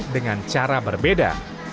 dengan cara berbeda